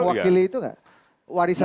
mewakili itu enggak